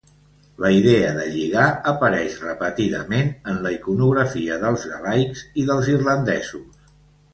La idea de lligar apareix repetidament en la iconografia dels galaics i dels irlandesos.